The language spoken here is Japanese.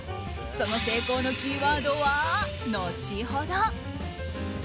その成功のキーワードは、後ほど。